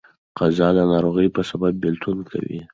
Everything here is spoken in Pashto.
قضا د ناروغۍ په سبب بيلتون کوي.